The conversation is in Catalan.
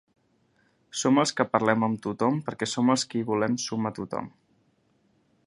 Som els que parlem amb tothom perquè som els que hi volem sumar tothom.